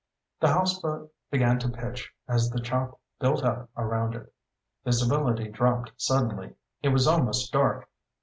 The houseboat began to pitch as the chop built up around it. Visibility dropped suddenly; it was almost dark.